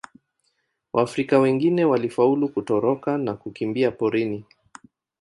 Waafrika wengine walifaulu kutoroka na kukimbia porini.